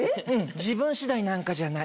自分次第なんかじゃない。